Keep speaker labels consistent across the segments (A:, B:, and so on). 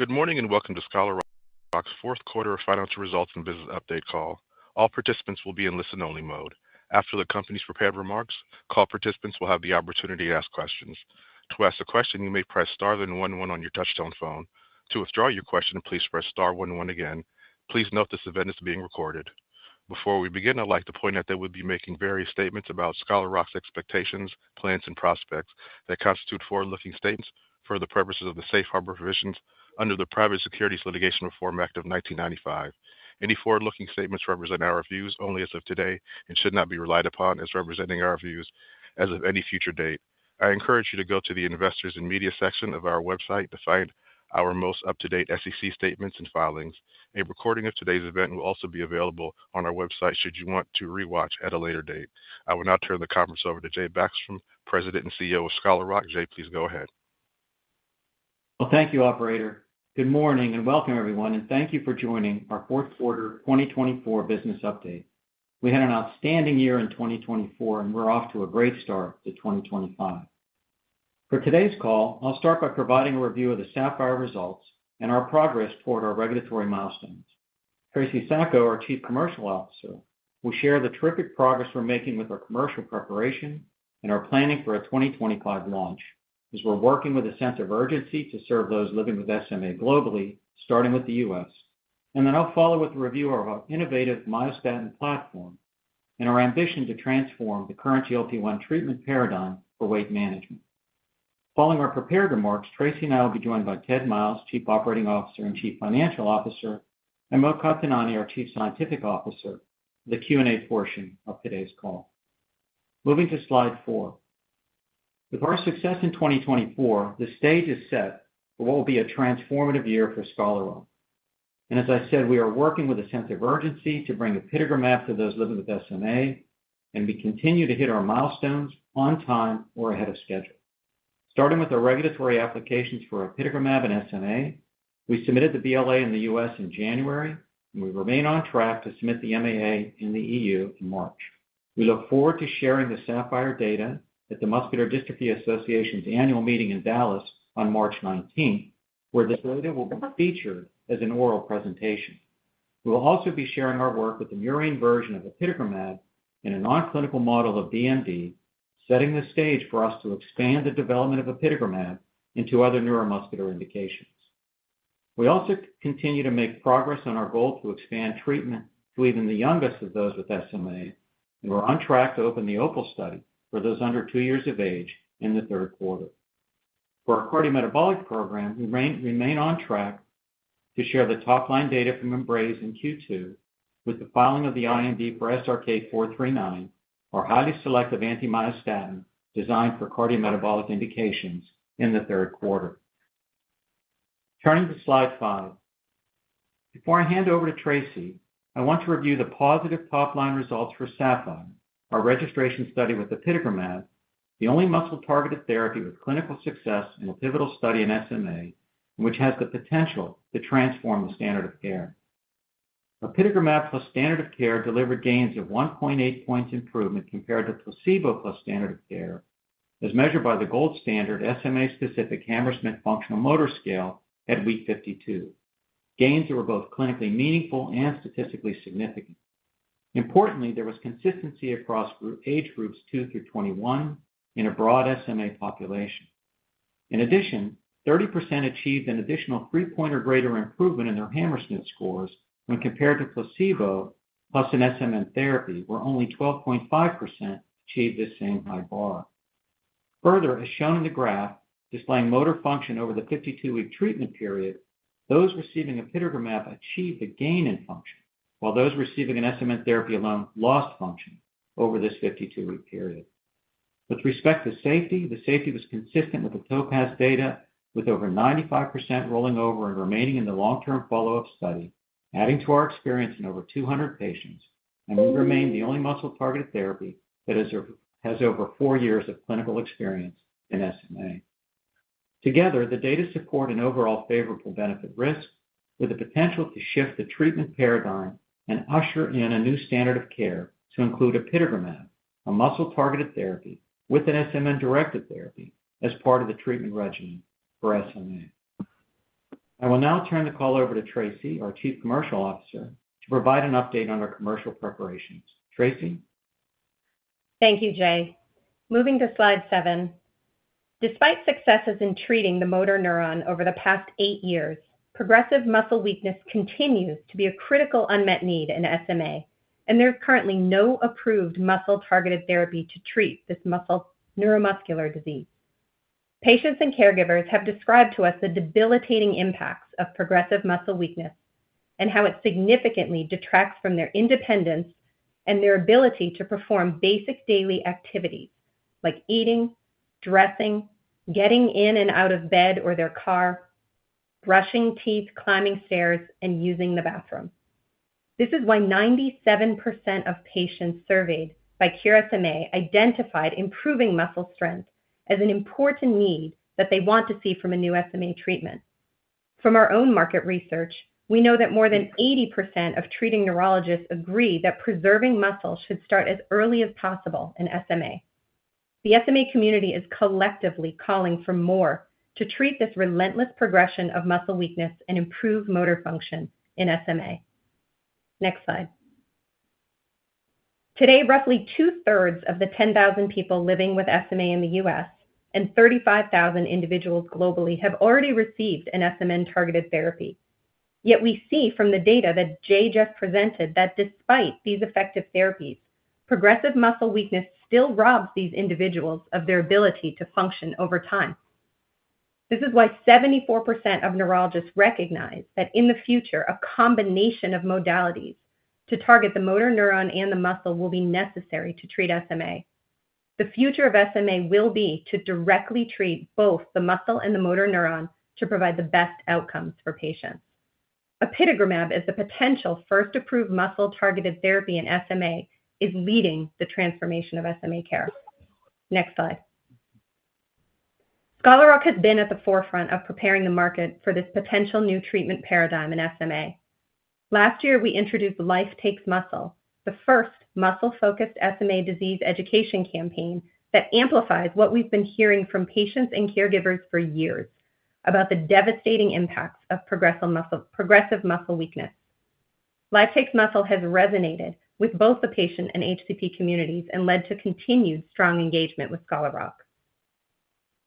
A: Good morning and welcome to Scholar Rock Holding Corporation's Fourth Quarter Financial Results and Business Update Call. All participants will be in listen-only mode. After the company's prepared remarks, call participants will have the opportunity to ask questions. To ask a question, you may press star then one-one on your touch-tone phone. To withdraw your question, please press star one-one again. Please note this event is being recorded. Before we begin, I'd like to point out that we'll be making various statements about Scholar Rock's expectations, plans, and prospects that constitute forward-looking statements for the purposes of the Safe Harbor Provisions under the Private Securities Litigation Reform Act of 1995. Any forward-looking statements represent our views only as of today and should not be relied upon as representing our views as of any future date. I encourage you to go to the investors and media section of our website to find our most up-to-date SEC statements and filings. A recording of today's event will also be available on our website should you want to re-watch at a later date. I will now turn the conference over to Jay Backstrom, President and CEO of Scholar Rock. Jay, please go ahead.
B: Well, thank you, Operator. Good morning and welcome, everyone, and thank you for joining our fourth quarter 2024 business update. We had an outstanding year in 2024, and we're off to a great start to 2025. For today's call, I'll start by providing a review of the SAPPHIRE results and our progress toward our regulatory milestones. Tracey Sacco, our Chief Commercial Officer, will share the terrific progress we're making with our commercial preparation and our planning for a 2025 launch, as we're working with a sense of urgency to serve those living with SMA globally, starting with the U.S., and then I'll follow with a review of our innovative Myostatin Platform and our ambition to transform the current GLP-1 Treatment Paradigm for weight management. Following our prepared remarks, Tracey and I will be joined by Ted Miles, Chief Operating Officer and Chief Financial Officer, and Mo Qatanani, our Chief Scientific Officer, for the Q&A portion of today's call. Moving to slide four. With our success in 2024, the stage is set for what will be a transformative year for Scholar Rock, and as I said, we are working with a sense of urgency to bring apitegromab to those living with SMA, and we continue to hit our milestones on time or ahead of schedule. Starting with our regulatory applications for apitegromab and SMA, we submitted the BLA in the U.S. in January, and we remain on track to submit the MAA in the EU in March. We look forward to sharing the SAPPHIRE data at the Muscular Dystrophy Association's Annual Meeting in Dallas on March 19th, where this data will be featured as an oral presentation. We will also be sharing our work with the murine version of apitegromab and a non-clinical model of DMD, setting the stage for us to expand the development of apitegromab into other neuromuscular indications. We also continue to make progress on our goal to expand treatment to even the youngest of those with SMA, and we're on track to open the OPAL study for those under two years of age in the third quarter. For our cardiometabolic program, we remain on track to share the top-line data from EMBRAZE in Q2 with the filing of the IND for SRK-439, our highly selective anti-myostatin designed for cardiometabolic indications in the third quarter. Turning to slide five, before I hand over to Tracey, I want to review the positive top-line results for SAPPHIRE, our registration study with the apitegromab, the only muscle-targeted therapy with clinical success in a pivotal study in SMA, which has the potential to transform the standard of care. Apitegromab plus standard of care delivered gains of 1.8 points improvement compared to placebo plus standard of care, as measured by the gold standard SMA-specific Hammersmith Functional Motor Scale at week 52. Gains that were both clinically meaningful and statistically significant. Importantly, there was consistency across age groups two through 21 in a broad SMA population. In addition, 30% achieved an additional three-point or greater improvement in their Hammersmith scores when compared to placebo plus an SMN therapy, where only 12.5% achieved the same high bar. Further, as shown in the graph displaying motor function over the 52-week treatment period, those receiving apitegromab achieved a gain in function, while those receiving an SMN-directed therapy alone lost function over this 52-week period. With respect to safety, the safety was consistent with the TOPAZ data, with over 95% rolling over and remaining in the long-term follow-up study, adding to our experience in over 200 patients, and we remain the only muscle-targeted therapy that has over four years of clinical experience in SMA. Together, the data support an overall favorable benefit-risk with the potential to shift the treatment paradigm and usher in a new standard of care to include apitegromab, a muscle-targeted therapy with an SMN-directed therapy as part of the treatment regimen for SMA. I will now turn the call over to Tracey, our Chief Commercial Officer, to provide an update on our commercial preparations. Tracey?
C: Thank you, Jay. Moving to slide seven. Despite successes in treating the motor neuron over the past eight years, progressive muscle weakness continues to be a critical unmet need in SMA, and there's currently no approved muscle-targeted therapy to treat this muscle neuromuscular disease. Patients and caregivers have described to us the debilitating impacts of progressive muscle weakness and how it significantly detracts from their independence and their ability to perform basic daily activities like eating, dressing, getting in and out of bed or their car, brushing teeth, climbing stairs, and using the bathroom. This is why 97% of patients surveyed by Cure SMA identified improving muscle strength as an important need that they want to see from a new SMA treatment. From our own market research, we know that more than 80% of treating neurologists agree that preserving muscle should start as early as possible in SMA. The SMA community is collectively calling for more to treat this relentless progression of muscle weakness and improve motor function in SMA. Next slide. Today, roughly two-thirds of the 10,000 people living with SMA in the U.S. and 35,000 individuals globally have already received an SMN-directed therapy. Yet we see from the data that Jay just presented that despite these effective therapies, progressive muscle weakness still robs these individuals of their ability to function over time. This is why 74% of neurologists recognize that in the future, a combination of modalities to target the motor neuron and the muscle will be necessary to treat SMA. The future of SMA will be to directly treat both the muscle and the motor neuron to provide the best outcomes for patients. Apitegromab is the potential first-approved muscle-targeted therapy in SMA is leading the transformation of SMA care. Next slide. Scholar Rock has been at the forefront of preparing the market for this potential new treatment paradigm in SMA. Last year, we introduced Life Takes Muscle, the first muscle-focused SMA disease education campaign that amplifies what we've been hearing from patients and caregivers for years about the devastating impacts of progressive muscle weakness. Life Takes Muscle has resonated with both the patient and HCP communities and led to continued strong engagement with Scholar Rock.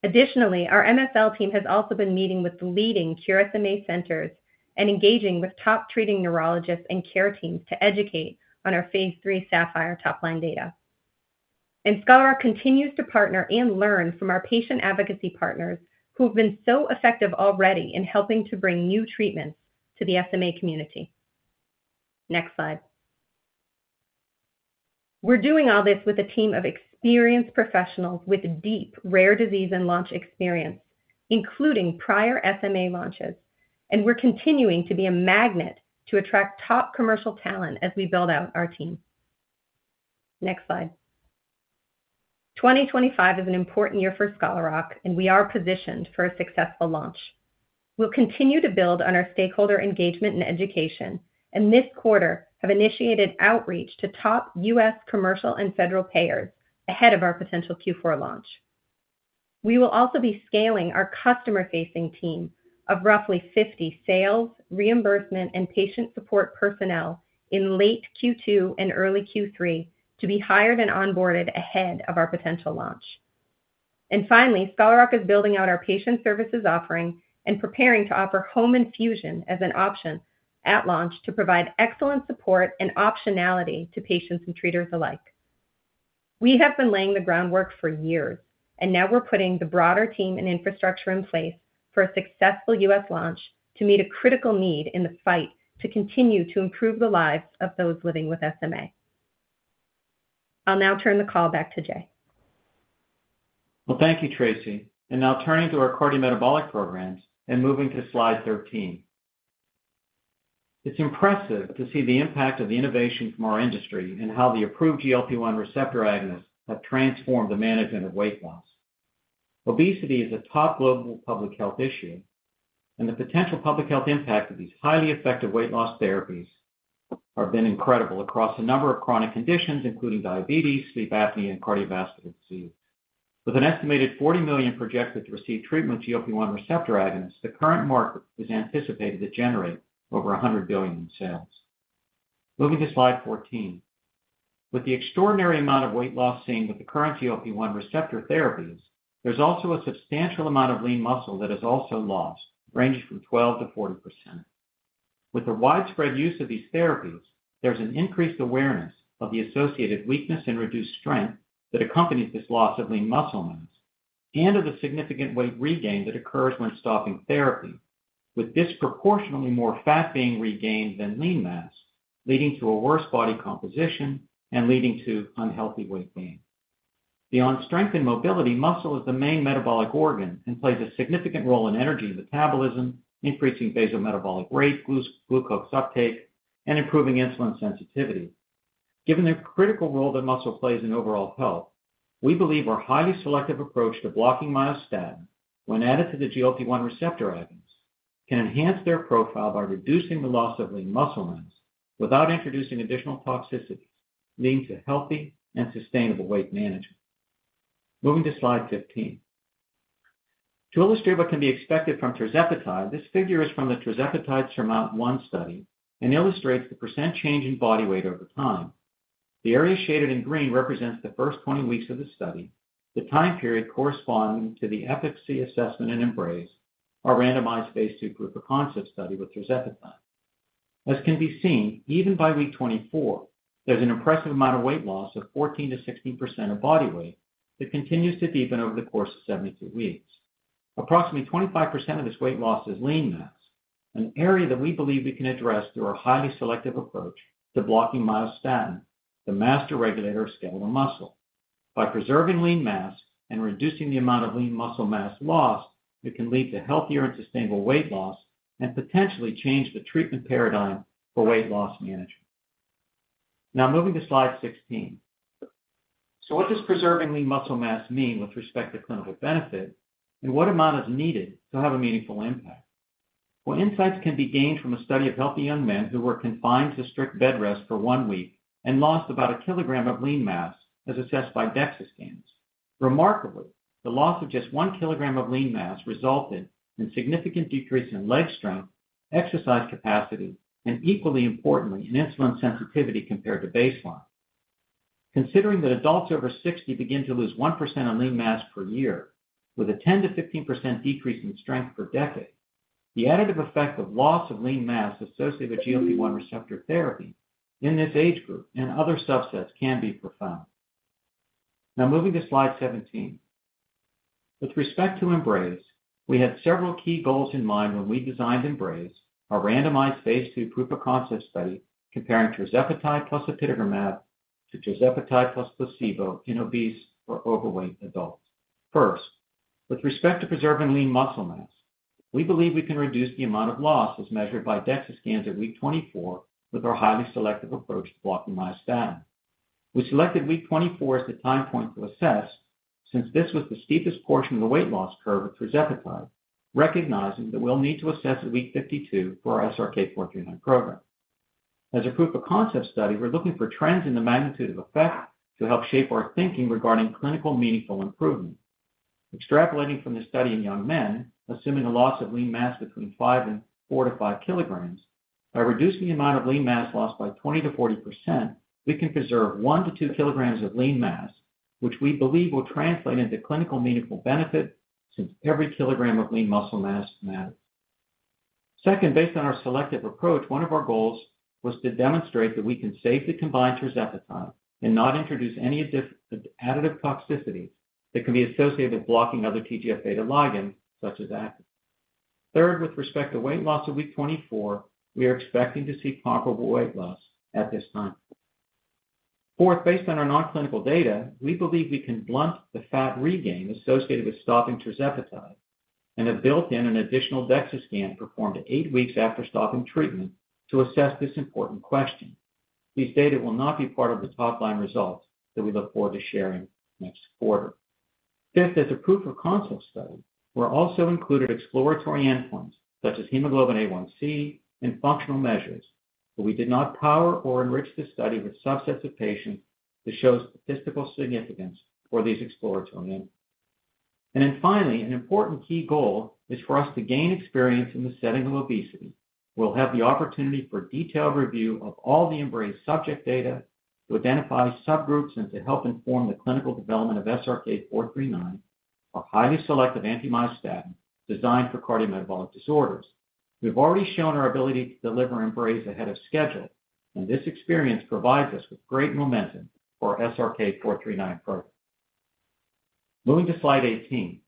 C: Additionally, our MSL team has also been meeting with the leading Cure SMA centers and engaging with top treating neurologists and care teams to educate on our phase three SAPPHIRE top-line data, and Scholar Rock continues to partner and learn from our patient advocacy partners who have been so effective already in helping to bring new treatments to the SMA community. Next slide. We're doing all this with a team of experienced professionals with deep rare disease and launch experience, including prior SMA launches, and we're continuing to be a magnet to attract top commercial talent as we build out our team. Next slide. 2025 is an important year for Scholar Rock, and we are positioned for a successful launch. We'll continue to build on our stakeholder engagement and education, and this quarter have initiated outreach to top U.S. commercial and federal payers ahead of our potential Q4 launch. We will also be scaling our customer-facing team of roughly 50 sales, reimbursement, and patient support personnel in late Q2 and early Q3 to be hired and onboarded ahead of our potential launch. Finally, Scholar Rock is building out our patient services offering and preparing to offer home infusion as an option at launch to provide excellent support and optionality to patients and treaters alike. We have been laying the groundwork for years, and now we're putting the broader team and infrastructure in place for a successful U.S. launch to meet a critical need in the fight to continue to improve the lives of those living with SMA. I'll now turn the call back to Jay.
B: Thank you, Tracey. Now turning to our cardiometabolic programs and moving to slide 13. It's impressive to see the impact of the innovation from our industry and how the approved GLP-1 receptor agonists have transformed the management of weight loss. Obesity is a top global public health issue, and the potential public health impact of these highly effective weight loss therapies has been incredible across a number of chronic conditions, including diabetes, sleep apnea, and cardiovascular disease. With an estimated 40 million projected to receive treatment with GLP-1 receptor agonists, the current market is anticipated to generate over $100 billion in sales. Moving to slide 14. With the extraordinary amount of weight loss seen with the current GLP-1 receptor therapies, there's also a substantial amount of lean muscle that is also lost, ranging from 12%-40%. With the widespread use of these therapies, there's an increased awareness of the associated weakness and reduced strength that accompanied this loss of lean muscle mass and of the significant weight regain that occurs when stopping therapy, with disproportionately more fat being regained than lean mass, leading to a worse body composition and leading to unhealthy weight gain. Beyond strength and mobility, muscle is the main metabolic organ and plays a significant role in energy and metabolism, increasing basal metabolic rate, glucose uptake, and improving insulin sensitivity. Given the critical role that muscle plays in overall health, we believe our highly selective approach to blocking myostatin, when added to the GLP-1 receptor agonists, can enhance their profile by reducing the loss of lean muscle mass without introducing additional toxicity, leading to healthy and sustainable weight management. Moving to slide 15. To illustrate what can be expected from tirzepatide, this figure is from the tirzepatide SURMOUNT-1 study and illustrates the percent change in body weight over time. The area shaded in green represents the first 20 weeks of the study, the time period corresponding to the FFC assessment and EMBRAZE, our randomized phase 2 proof of concept study with tirzepatide. As can be seen, even by week 24, there's an impressive amount of weight loss of 14%-16% of body weight that continues to deepen over the course of 72 weeks. Approximately 25% of this weight loss is lean mass, an area that we believe we can address through our highly selective approach to blocking myostatin, the master regulator of skeletal muscle. By preserving lean mass and reducing the amount of lean muscle mass lost, it can lead to healthier and sustainable weight loss and potentially change the treatment paradigm for weight loss management. Now moving to slide 16. So what does preserving lean muscle mass mean with respect to clinical benefit, and what amount is needed to have a meaningful impact? Well, insights can be gained from a study of healthy young men who were confined to strict bedrest for one week and lost about a kilogram of lean mass as assessed by DEXA scans. Remarkably, the loss of just one kilogram of lean mass resulted in a significant decrease in leg strength, exercise capacity, and equally importantly, in insulin sensitivity compared to baseline. Considering that adults over 60 begin to lose 1% of lean mass per year, with a 10%-15% decrease in strength per decade, the additive effect of loss of lean mass associated with GLP-1 receptor therapy in this age group and other subsets can be profound. Now moving to slide 17. With respect to EMBRAZE, we had several key goals in mind when we designed EMBRAZE, our randomized phase 2 proof of concept study comparing tirzepatide plus apitegromab to tirzepatide plus placebo in obese or overweight adults. First, with respect to preserving lean muscle mass, we believe we can reduce the amount of loss as measured by DEXA scans at week 24 with our highly selective approach to blocking myostatin. We selected week 24 as the time point to assess since this was the steepest portion of the weight loss curve with tirzepatide, recognizing that we'll need to assess at week 52 for our SRK-439 program. As a proof of concept study, we're looking for trends in the magnitude of effect to help shape our thinking regarding clinically meaningful improvement. Extrapolating from the study in young men, assuming a loss of lean mass between five and four to five kilograms, by reducing the amount of lean mass lost by 20%-40%, we can preserve one to two kilograms of lean mass, which we believe will translate into clinically meaningful benefit since every kilogram of lean muscle mass matters. Second, based on our selective approach, one of our goals was to demonstrate that we can safely combine tirzepatide and not introduce any additive toxicity that can be associated with blocking other TGFβ ligands, such as Activin A. Third, with respect to weight loss of week 24, we are expecting to see comparable weight loss at this time. Fourth, based on our non-clinical data, we believe we can blunt the fat regain associated with stopping tirzepatide and have built in an additional DEXA scan performed eight weeks after stopping treatment to assess this important question. These data will not be part of the top-line results that we look forward to sharing next quarter. Fifth, as a proof of concept study, we also included exploratory endpoints such as Hemoglobin A1c and functional measures, but we did not power or enrich the study with subsets of patients that show statistical significance for these exploratory endpoints, and then finally, an important key goal is for us to gain experience in the setting of obesity. We'll have the opportunity for detailed review of all the EMBRAZE subject data to identify subgroups and to help inform the clinical development of SRK-439, a highly selective anti-myostatin designed for cardiometabolic disorders. We've already shown our ability to deliver EMBRAZE ahead of schedule, and this experience provides us with great momentum for our SRK-439 program. Moving to slide 18.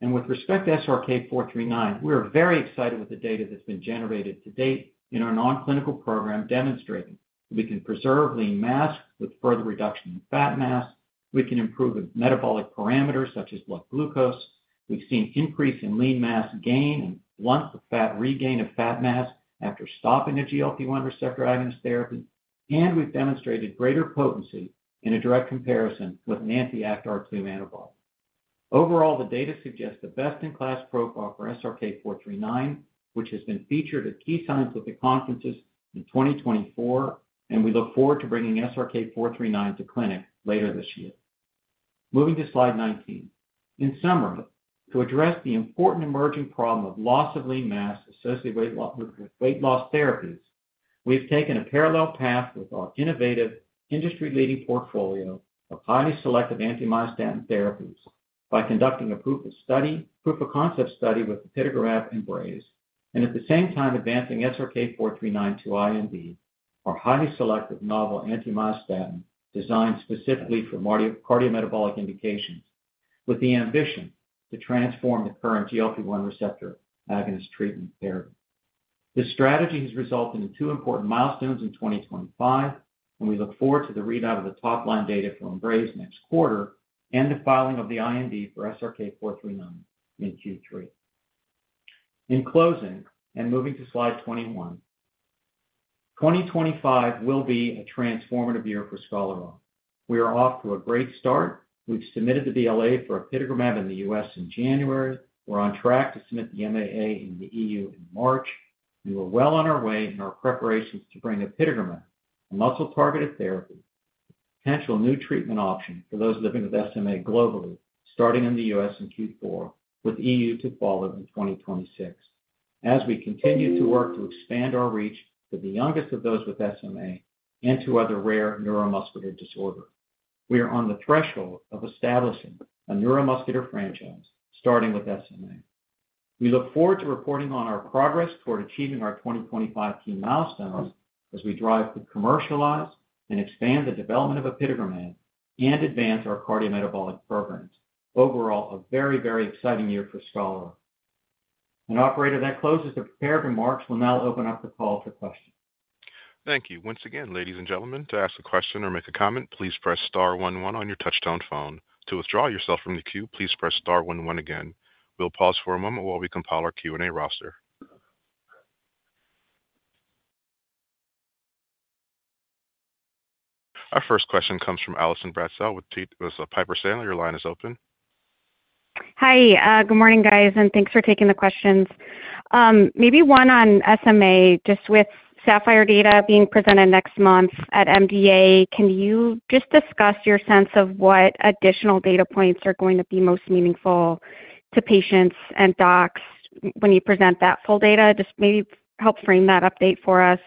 B: And with respect to SRK-439, we're very excited with the data that's been generated to date in our non-clinical program demonstrating that we can preserve lean mass with further reduction in fat mass. We can improve metabolic parameters such as blood glucose. We've seen an increase in lean mass gain and blunt fat regain of fat mass after stopping the GLP-1 receptor agonist therapy, and we've demonstrated greater potency in a direct comparison with an anti-ActRII molecule. Overall, the data suggests the best-in-class profile for SRK-439, which has been featured at key scientific conferences in 2024, and we look forward to bringing SRK-439 to clinic later this year. Moving to slide 19. In summary, to address the important emerging problem of loss of lean mass associated with weight loss therapies, we've taken a parallel path with our innovative industry-leading portfolio of highly selective anti-myostatin therapies by conducting a proof of concept study with apitegromab EMBRAZE, and at the same time advancing SRK-439 to IND, our highly selective novel anti-myostatin designed specifically for cardiometabolic indications, with the ambition to transform the current GLP-1 receptor agonist treatment therapy. This strategy has resulted in two important milestones in 2025, and we look forward to the readout of the top-line data from EMBRAZE next quarter and the filing of the IND for SRK-439 in Q3. In closing, and moving to slide 21. 2025 will be a transformative year for Scholar Rock. We are off to a great start. We've submitted the BLA for apitegromab in the U.S. in January. We're on track to submit the MAA in the EU in March. We are well on our way in our preparations to bring apitegromab, a muscle-targeted therapy, a potential new treatment option for those living with SMA globally, starting in the U.S. in Q4, with the EU to follow in 2026, as we continue to work to expand our reach to the youngest of those with SMA and to other rare neuromuscular disorders. We are on the threshold of establishing a neuromuscular franchise starting with SMA. We look forward to reporting on our progress toward achieving our 2025 key milestones as we drive to commercialize and expand the development of apitegromab and advance our cardiometabolic programs. Overall, a very, very exciting year for Scholar Rock. And Operator, that closes the preparatory remarks. We'll now open up the call for questions. Thank you.
A: Once again, ladies and gentlemen, to ask a question or make a comment, please press star 11 on your touch-tone phone. To withdraw yourself from the queue, please press star 11 again. We'll pause for a moment while we compile our Q&A roster. Our first question comes from Allison Bratzel with Piper Sandler. Your line is open.
D: Hi. Good morning, guys, and thanks for taking the questions. Maybe one on SMA, just with SAPPHIRE data being presented next month at MDA, can you just discuss your sense of what additional data points are going to be most meaningful to patients and docs when you present that full data? Just maybe help frame that update for us.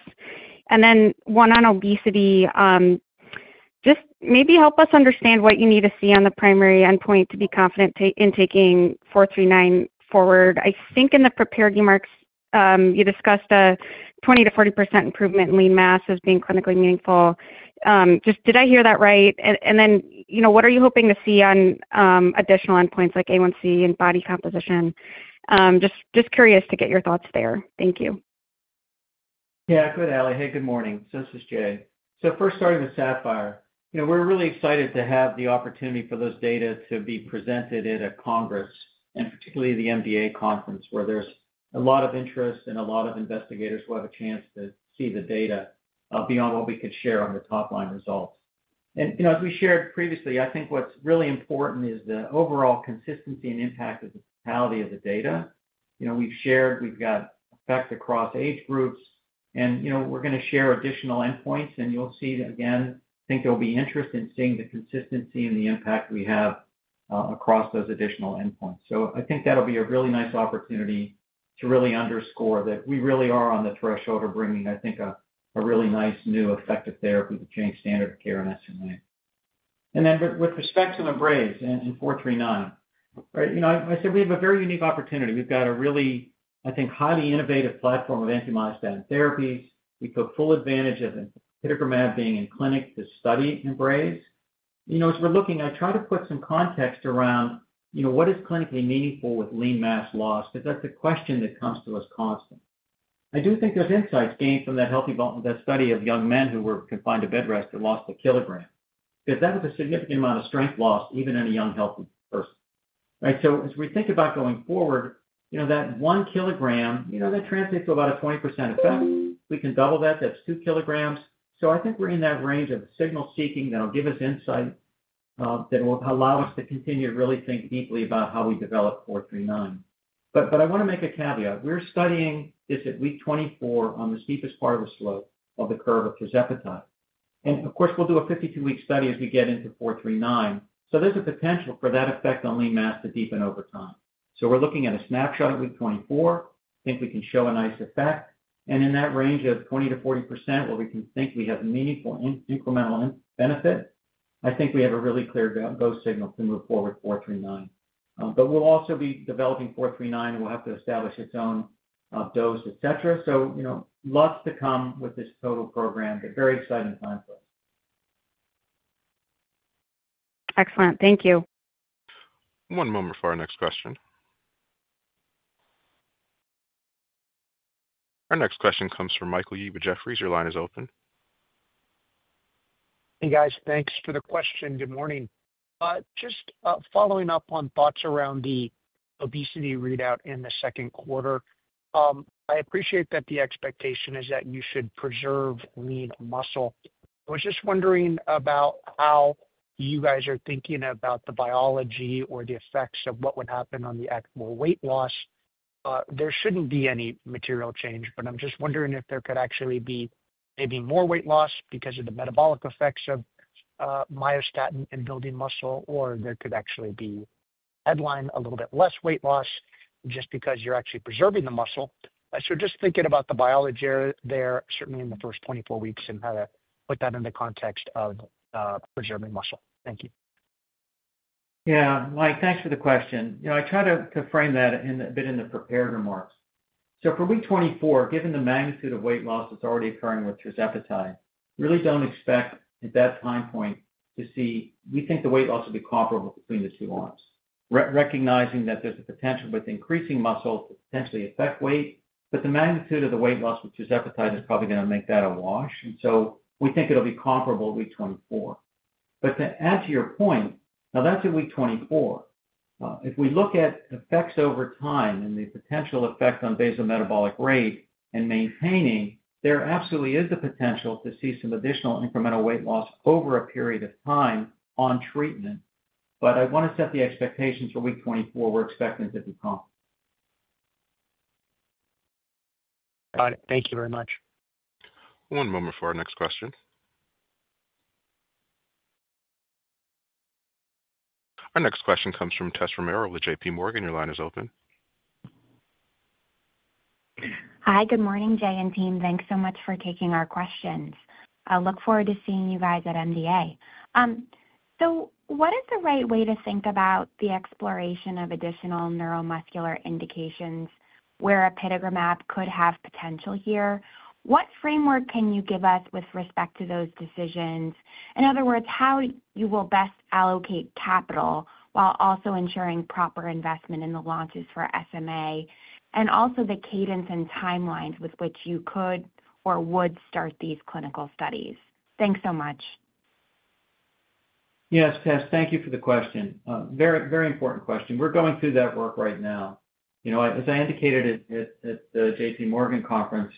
D: And then one on obesity, just maybe help us understand what you need to see on the primary endpoint to be confident in taking 439 forward. I think in the prepared remarks, you discussed a 20%-40% improvement in lean mass as being clinically meaningful. Just did I hear that right? And then what are you hoping to see on additional endpoints like A1C and body composition? Just curious to get your thoughts there. Thank you.
B: Yeah, good, Alli. Hey, good morning. So this is Jay. So first, starting with SAPPHIRE we're really excited to have the opportunity for those data to be presented at a congress, and particularly the MDA conference, where there's a lot of interest and a lot of investigators who have a chance to see the data beyond what we could share on the top-line results. And as we shared previously, I think what's really important is the overall consistency and impact of the totality of the data. We've shared we've got effects across age groups, and we're going to share additional endpoints, and you'll see that, again, I think there'll be interest in seeing the consistency and the impact we have across those additional endpoints. So I think that'll be a really nice opportunity to really underscore that we really are on the threshold of bringing, I think, a really nice new effective therapy to change standard of care in SMA. And then with respect to EMBRAZE and 439, I said we have a very unique opportunity. We've got a really, I think, highly innovative platform of anti-myostatin therapy. We took full advantage of apitegromab being in clinic to study EMBRAZE. As we're looking, I try to put some context around what is clinically meaningful with lean mass loss, because that's the question that comes to us constantly. I do think there's insights gained from that study of young men who were confined to bedrest that lost a kilogram, because that is a significant amount of strength loss, even in a young healthy person. So as we think about going forward, that one kilogram, that translates to about a 20% effect. We can double that. That's two kilograms. So I think we're in that range of signal seeking that'll give us insight that will allow us to continue to really think deeply about how we develop 439. But I want to make a caveat. We're studying this at week 24 on the steepest part of the slope of the curve of tirzepatide. And of course, we'll do a 52-week study as we get into 439. So there's a potential for that effect on lean mass to deepen over time. So we're looking at a snapshot at week 24. I think we can show a nice effect. And in that range of 20%-40%, where we can think we have meaningful incremental benefit, I think we have a really clear go-to signal to move forward 439. But we'll also be developing 439, and we'll have to establish its own dose, et cetera. So lots to come with this total program, but very exciting time.
D: Excellent. Thank you.
A: One moment for our next question. Our next question comes from Michael Yee with Jefferies. Your line is open.
E: Hey, guys. Thanks for the question. Good morning. Just following up on thoughts around the obesity readout in the second quarter, I appreciate that the expectation is that you should preserve lean muscle. I was just wondering about how you guys are thinking about the biology or the effects of what would happen on the actual weight loss. There shouldn't be any material change, but I'm just wondering if there could actually be maybe more weight loss because of the metabolic effects of myostatin in building muscle, or there could actually be headline a little bit less weight loss just because you're actually preserving the muscle. So just thinking about the biology there, certainly in the first 24 weeks, and how to put that in the context of preserving muscle. Thank you.
B: Yeah. Mike, thanks for the question. I try to frame that a bit in the prepared remarks. For week 24, given the magnitude of weight loss that's already occurring with tirzepatide, we really don't expect at that time point to see, we think, the weight loss will be comparable between the two arms, recognizing that there's a potential with increasing muscle to potentially affect weight, but the magnitude of the weight loss with tirzepatide is probably going to make that a wash. We think it'll be comparable week 24. To answer your point, now that's at week 24. If we look at effects over time and the potential effect on basal metabolic rate and maintaining, there absolutely is the potential to see some additional incremental weight loss over a period of time on treatment. I want to set the expectations for week 24. We're expecting to be comparable.
E: Got it. Thank you very much.
A: One moment for our next question. Our next question comes from Tess Romero with J.P. Morgan. Your line is open.
F: Hi. Good morning, Jay and team. Thanks so much for taking our questions. I look forward to seeing you guys at MDA. So what is the right way to think about the exploration of additional neuromuscular indications where apitegromab could have potential here? What framework can you give us with respect to those decisions? In other words, how you will best allocate capital while also ensuring proper investment in the launches for SMA, and also the cadence and timelines with which you could or would start these clinical studies? Thanks so much.
B: Yes, Tess. Thank you for the question. Very, very important question. We're going through that work right now. As I indicated at the J.P. Morgan conference,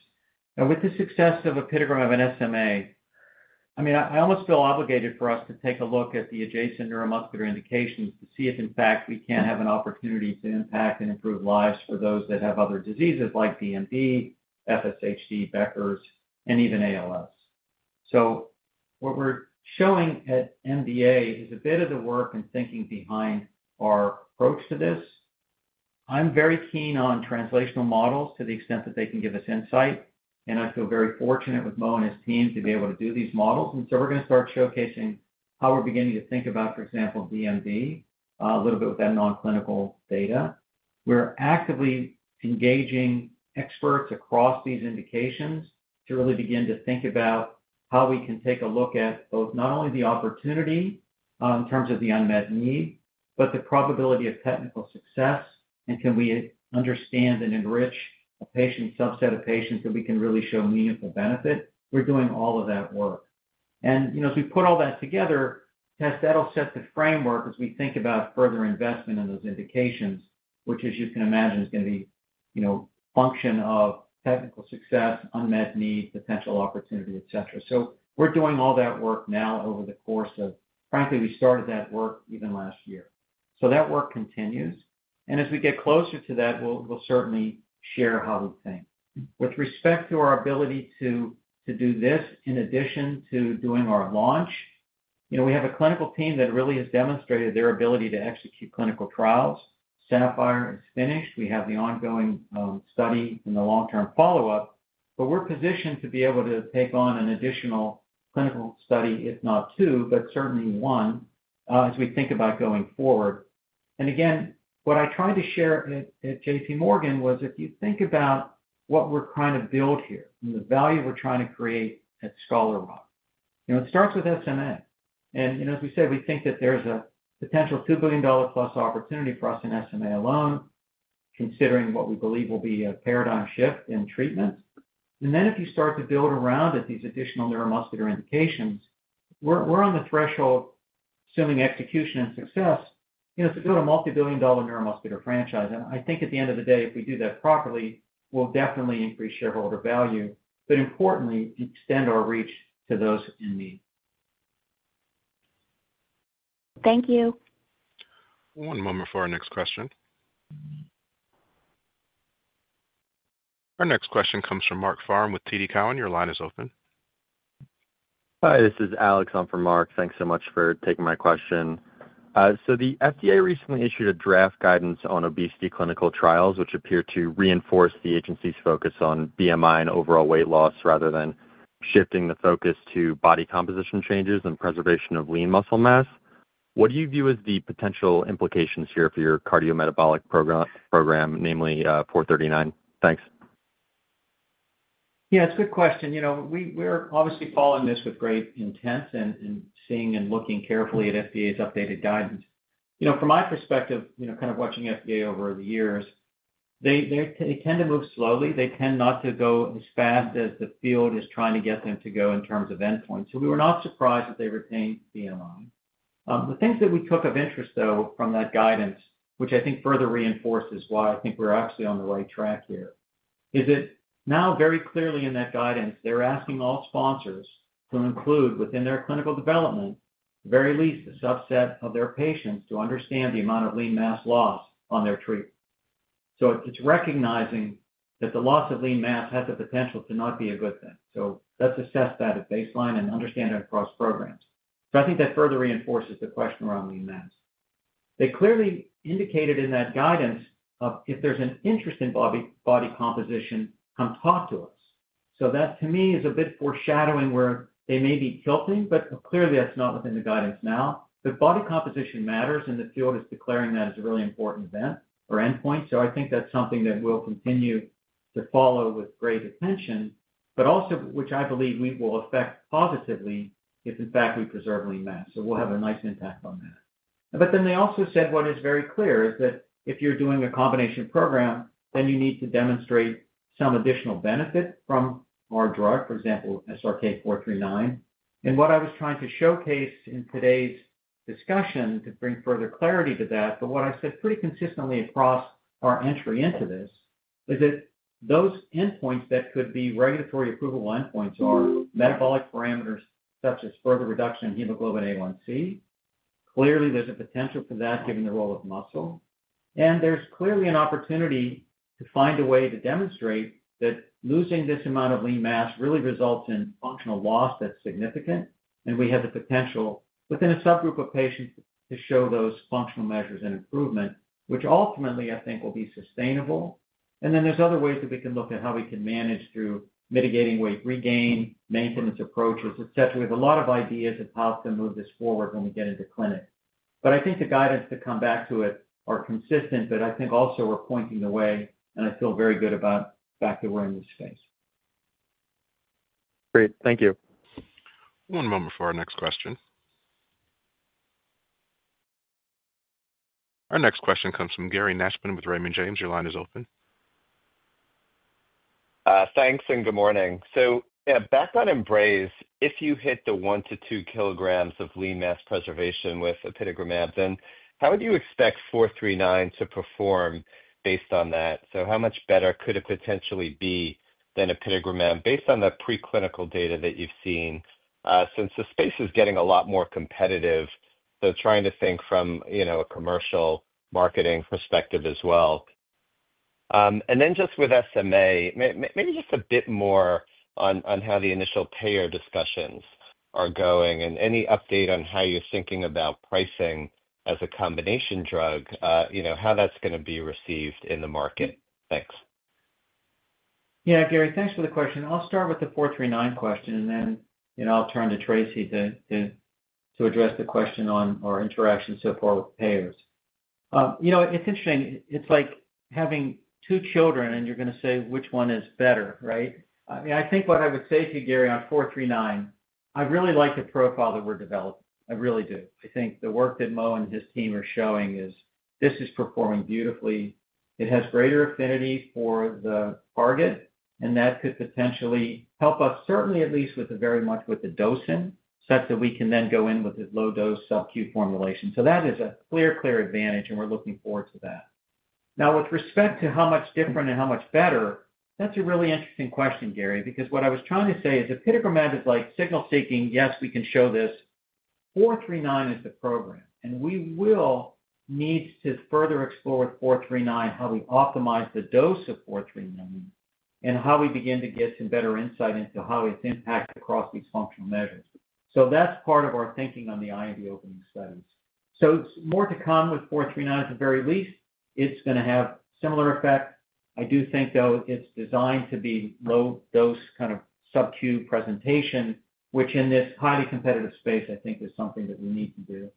B: with the success of apitegromab and SMA, I mean, I almost feel obligated for us to take a look at the adjacent neuromuscular indications to see if, in fact, we can have an opportunity to impact and improve lives for those that have other diseases like DMD, FSHD, Becker's, and even ALS. So what we're showing at MDA is a bit of the work and thinking behind our approach to this. I'm very keen on translational models to the extent that they can give us insight, and I feel very fortunate with Mo and his team to be able to do these models. And so we're going to start showcasing how we're beginning to think about, for example, DMD a little bit with that non-clinical data. We're actively engaging experts across these indications to really begin to think about how we can take a look at both not only the opportunity in terms of the unmet need, but the probability of technical success, and can we understand and enrich a patient subset of patients that we can really show meaningful benefit. We're doing all of that work. And as we put all that together, Tess, that'll set the framework as we think about further investment in those indications, which, as you can imagine, is going to be a function of technical success, unmet need, potential opportunity, et cetera. So we're doing all that work now over the course of, frankly, we started that work even last year. So that work continues. And as we get closer to that, we'll certainly share how we think. With respect to our ability to do this, in addition to doing our launch, we have a clinical team that really has demonstrated their ability to execute clinical trials. SAPPHIRE is finished. We have the ongoing study and the long-term follow-up, but we're positioned to be able to take on an additional clinical study, if not two, but certainly one, as we think about going forward. And again, what I tried to share at J.P. Morgan was if you think about what we're trying to build here and the value we're trying to create at Scholar Rock. It starts with SMA. And as we said, we think that there's a potential $2 billion-plus opportunity for us in SMA alone, considering what we believe will be a paradigm shift in treatment. And then if you start to build around at these additional neuromuscular indications, we're on the threshold, assuming execution and success, to build a multi-billion dollar neuromuscular franchise. And I think at the end of the day, if we do that properly, we'll definitely increase shareholder value, but importantly, extend our reach to those in need.
F: Thank you.
A: One moment for our next question. Our next question comes from Mark Frahm with TD Cowen. Your line is open.
G: Hi. This is Alex. I'm from Mark. Thanks so much for taking my question. So the FDA recently issued a draft guidance on obesity clinical trials, which appear to reinforce the agency's focus on BMI and overall weight loss rather than shifting the focus to body composition changes and preservation of lean muscle mass. What do you view as the potential implications here for your cardiometabolic program, namely 439? Thanks.
B: Yeah, it's a good question. We're obviously following this with great intent and seeing and looking carefully at FDA's updated guidance. From my perspective, kind of watching FDA over the years, they tend to move slowly. They tend not to go as fast as the field is trying to get them to go in terms of endpoints. So we were not surprised that they retained BMI. The things that we took of interest, though, from that guidance, which I think further reinforces why I think we're actually on the right track here, is that now very clearly in that guidance, they're asking all sponsors to include within their clinical development, at the very least, a subset of their patients to understand the amount of lean mass loss on their treatment. So it's recognizing that the loss of lean mass has the potential to not be a good thing. Let's assess that at baseline and understand it across programs. I think that further reinforces the question around lean mass. They clearly indicated in that guidance of if there's an interest in body composition, come talk to us. That, to me, is a bit foreshadowing where they may be tilting, but clearly that's not within the guidance now. Body composition matters, and the field is declaring that as a really important event or endpoint. I think that's something that we'll continue to follow with great attention, but also which I believe we will affect positively if, in fact, we preserve lean mass. We'll have a nice impact on that. Then they also said what is very clear is that if you're doing a combination program, then you need to demonstrate some additional benefit from our drug, for example, SRK-439. And what I was trying to showcase in today's discussion to bring further clarity to that, but what I've said pretty consistently across our entry into this is that those endpoints that could be regulatory approval endpoints are metabolic parameters such as further reduction in Hemoglobin A1C. Clearly, there's a potential for that given the role of muscle. And there's clearly an opportunity to find a way to demonstrate that losing this amount of lean mass really results in functional loss that's significant, and we have the potential within a subgroup of patients to show those functional measures and improvement, which ultimately, I think, will be sustainable. And then there's other ways that we can look at how we can manage through mitigating weight regain, maintenance approaches, et cetera. We have a lot of ideas of how to move this forward when we get into clinic. But I think the guidance to come back to it are consistent, but I think also we're pointing the way, and I feel very good about the fact that we're in this space.
G: Great. Thank you.
A: One moment for our next question. Our next question comes from Gary Nachman with Raymond James. Your line is open.
H: Thanks and good morning. So back on EMBRAZE, if you hit the one to two kilograms of lean mass preservation with apitegromab, then how would you expect 439 to perform based on that? So how much better could it potentially be than apitegromab based on the preclinical data that you've seen since the space is getting a lot more competitive? So trying to think from a commercial marketing perspective as well. And then just with SMA, maybe just a bit more on how the initial payer discussions are going and any update on how you're thinking about pricing as a combination drug, how that's going to be received in the market. Thanks.
B: Yeah, Gary, thanks for the question. I'll start with the 439 question, and then I'll turn to Tracey to address the question on our interaction so far with payers. It's interesting. It's like having two children, and you're going to say which one is better, right? I think what I would say to you, Gary, on 439, I really like the profile that we're developing. I really do. I think the work that Mo and his team are showing is this is performing beautifully. It has greater affinity for the target, and that could potentially help us, certainly at least with very much with the dosing, such that we can then go in with a low-dose sub-Q formulation. So that is a clear, clear advantage, and we're looking forward to that. Now, with respect to how much different and how much better, that's a really interesting question, Gary, because what I was trying to say is apitegromab is like signal seeking. Yes, we can show this. 439 is the program, and we will need to further explore with 439 how we optimize the dose of 439 and how we begin to get some better insight into how it's impacted across these functional measures. So that's part of our thinking on the IND-enabling studies. So more to come with 439, at the very least, it's going to have similar effects. I do think, though, it's designed to be low-dose kind of sub-Q presentation, which in this highly competitive space, I think, is something that we need to do.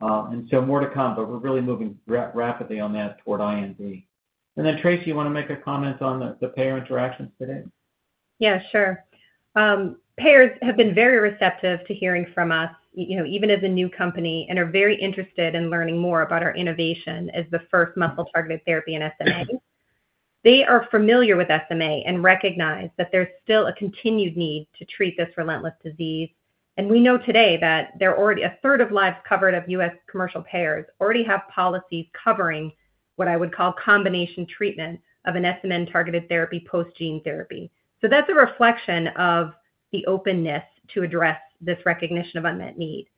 B: And so more to come, but we're really moving rapidly on that toward IND. And then, Tracey, you want to make a comment on the payer interaction today?
C: Yeah, sure. Payers have been very receptive to hearing from us, even as a new company, and are very interested in learning more about our innovation as the first muscle-targeted therapy in SMA. They are familiar with SMA and recognize that there's still a continued need to treat this relentless disease. And we know today that a third of lives covered of U.S. commercial payers already have policies covering what I would call combination treatment of an SMN-targeted therapy post-gene therapy. So that's a reflection of the openness to address this recognition of unmet need.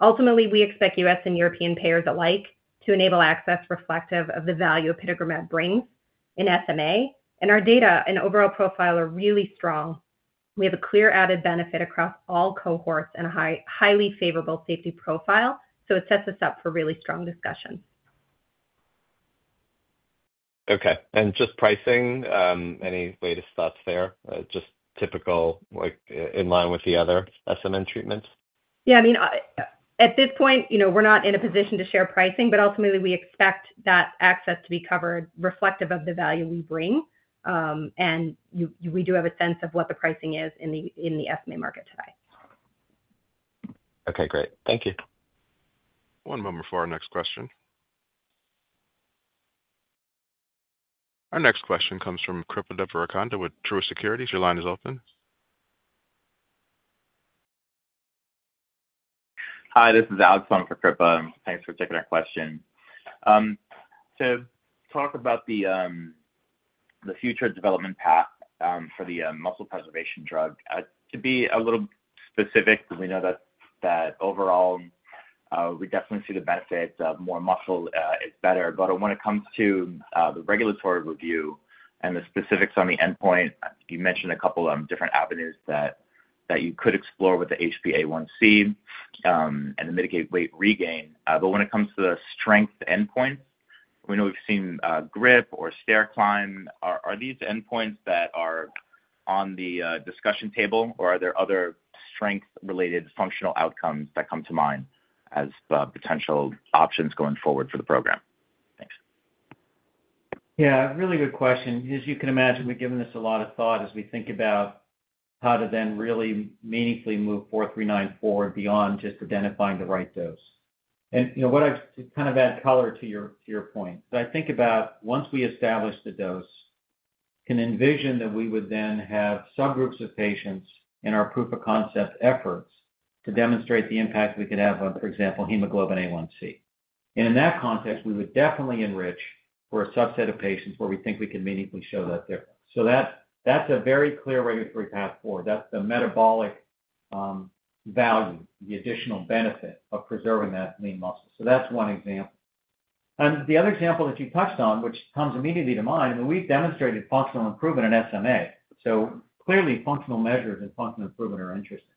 C: Ultimately, we expect U.S. and European payers alike to enable access reflective of the value apitegromab brings in SMA. And our data and overall profile are really strong. We have a clear added benefit across all cohorts and a highly favorable safety profile. So it sets us up for really strong discussion.
H: Okay. And just pricing, any latest thoughts there? Just typical, in line with the other SMN treatments?
C: Yeah. I mean, at this point, we're not in a position to share pricing, but ultimately, we expect that access to be covered reflective of the value we bring, and we do have a sense of what the pricing is in the SMA market today.
H: Okay. Great. Thank you.
A: One moment for our next question. Our next question comes from Kripa Devarakonda with Truist Securities. Your line is open.
I: Hi. This is Alex from Kripa. Thanks for taking our question. To talk about the future development path for the muscle preservation drug, to be a little specific, because we know that overall, we definitely see the benefit of more muscle is better. But when it comes to the regulatory review and the specifics on the endpoint, you mentioned a couple of different avenues that you could explore with the HbA1c and mitigating weight regain. But when it comes to the strength endpoint, we know we've seen grip or stair climb. Are these endpoints that are on the discussion table, or are there other strength-related functional outcomes that come to mind as potential options going forward for the program?
B: Yeah. Really good question. As you can imagine, we've given this a lot of thought as we think about how to then really meaningfully move 439 forward beyond just identifying the right dose. And what I've kind of added color to your point, I think about once we establish the dose, can envision that we would then have subgroups of patients in our proof of concept efforts to demonstrate the impact we could have on, for example, Hemoglobin A1c. And in that context, we would definitely enrich for a subset of patients where we think we can meaningfully show that difference. So that's a very clear regulatory path forward. That's the metabolic value, the additional benefit of preserving that lean muscle. So that's one example. And the other example that you touched on, which comes immediately to mind, I mean, we've demonstrated functional improvement in SMA. So clearly, functional measures and functional improvement are interesting.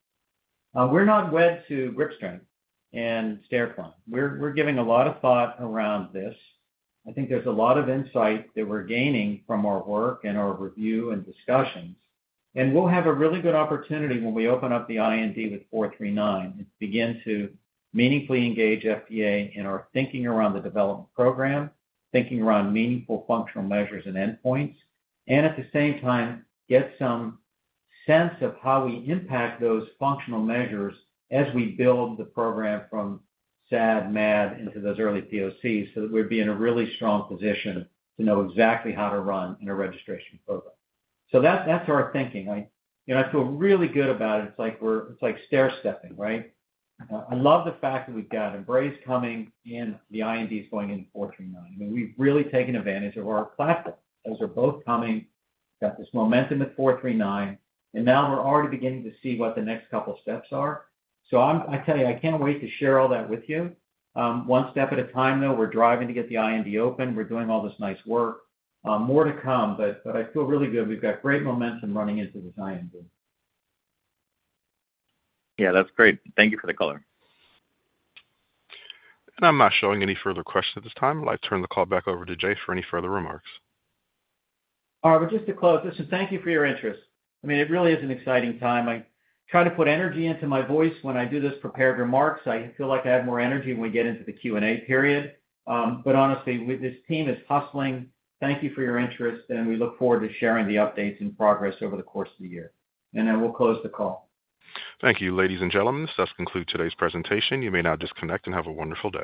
B: We're not wed to grip strength and stair climb. We're giving a lot of thought around this. I think there's a lot of insight that we're gaining from our work and our review and discussions. And we'll have a really good opportunity when we open up the IND with 439 and begin to meaningfully engage FDA in our thinking around the development program, thinking around meaningful functional measures and endpoints, and at the same time, get some sense of how we impact those functional measures as we build the program from SAD, MAD, into those early POCs so that we're being in a really strong position to know exactly how to run in a registration program. So that's our thinking. I feel really good about it. It's like stair stepping, right? I love the fact that we've got EMBRAZE coming and the INDs going into 439. I mean, we've really taken advantage of our platform. Those are both coming. We've got this momentum at 439, and now we're already beginning to see what the next couple of steps are. So I tell you, I can't wait to share all that with you. One step at a time, though, we're driving to get the IND open. We're doing all this nice work. More to come, but I feel really good. We've got great momentum running into this IND.
I: Yeah, that's great. Thank you for the color.
A: I'm not showing any further questions at this time. I'd like to turn the call back over to Jay for any further remarks.
B: All right. Well, just to close, listen, thank you for your interest. I mean, it really is an exciting time. I try to put energy into my voice when I do this prepared remarks. I feel like I have more energy when we get into the Q&A period. But honestly, this team is hustling. Thank you for your interest, and we look forward to sharing the updates and progress over the course of the year, and then we'll close the call.
A: Thank you, ladies and gentlemen. So that's concluded today's presentation. You may now disconnect and have a wonderful day.